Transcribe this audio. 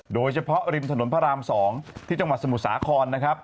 โดยเฉพาะริมถนนพระราม๒ที่จังหวัดสมุทรสาครนะครับ